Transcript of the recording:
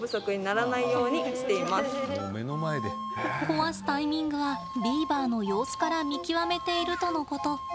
壊すタイミングはビーバーの様子から見極めているとのこと。